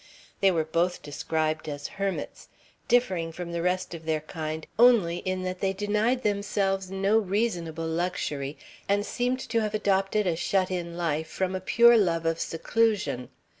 They were both described as hermits, differing from the rest of their kind only in that they denied themselves no reasonable luxury and seemed to have adopted a shut in life from a pure love of seclusion.